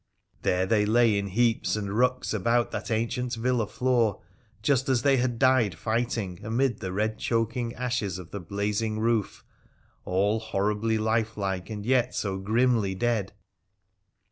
There they lay in heaps and rucks about that ancient villa floor, just as they had died fighting amid the red choking ashes of the blazing roof, all horribly lifelike and yet so grimly dead